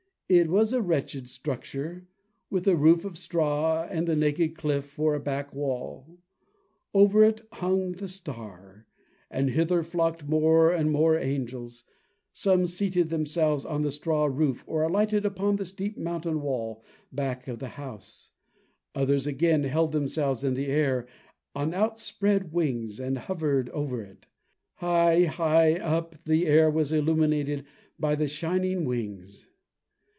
It was a wretched structure, with a roof of straw and the naked cliff for a back wall. Over it hung the Star, and hither flocked more and more angels. Some seated themselves on the straw roof or alighted upon the steep mountain wall back of the house; others, again, held themselves in the air on outspread wings, and hovered over it. High, high up, the air was illuminated by the shining wings.